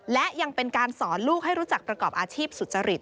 และยังเป็นการสอนลูกให้รู้จักประกอบอาชีพสุจริต